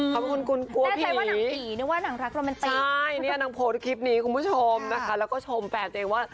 เขาไม่คุ้นกลัวผีใช่นางโพสต์คลิปนี้คุณผู้ชมนะคะแล้วก็ชมแปดเองว่า